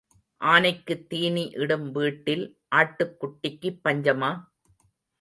ஆனைக்குத் தீனி இடும் வீட்டில் ஆட்டுக்குட்டிக்குப் பஞ்சமா?